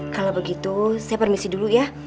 kalau begitu saya permisi dulu ya